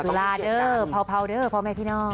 สุราเด้อพาวเด้อพอไหมพี่น้อง